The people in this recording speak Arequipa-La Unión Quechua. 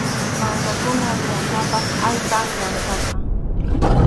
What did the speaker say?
Mankakuna ruranapaq allpam llankaqa.